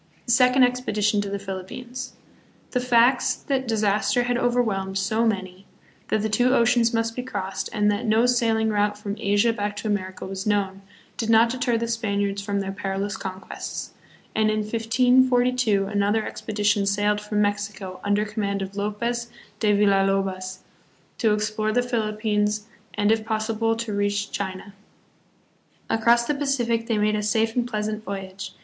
The Second Expedition to the Philippines. The facts that disaster had overwhelmed so many, that two oceans must be crossed, and that no sailing route from Asia back to America was known, did not deter the Spaniards from their perilous conquests; and in 1542 another expedition sailed from Mexico, under command of Lopez de Villa lobos, to explore the Philippines and if possible to reach China. Across the Pacific they made a safe and pleasant voyage.